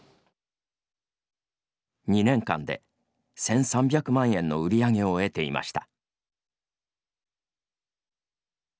２年間で１３００万円の売り上げを得ていました。